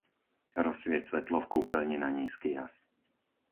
Rozsvieť svetlo v kúpeľni na nízky jas.